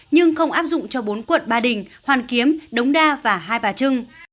nhưng không áp dụng cho bốn quận ba đình hoàn kiếm đống đa và hai bà trưng